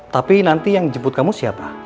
tapi nanti yang jemput kamu siapa